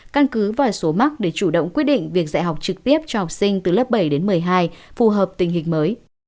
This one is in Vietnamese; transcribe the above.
căn cứ vào số mắc để chủ động quyết định việc dạy học trực tiếp cho học sinh từ lớp bảy đến một mươi hai phù hợp tình hình mới